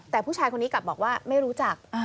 แต่ผู้ชายคนนี้กลับบอกว่าไม่รู้จัก